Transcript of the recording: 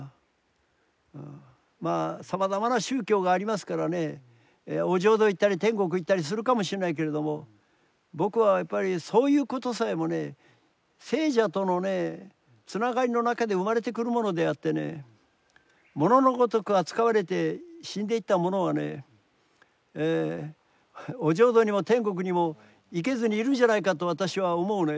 まあさまざまな宗教がありますからねお浄土行ったり天国行ったりするかもしれないけれども僕はやっぱりそういうことさえもね生者とのねつながりの中で生まれてくるものであってね物のごとく扱われて死んでいった者はねお浄土にも天国にも行けずにいるんじゃないかと私は思うね。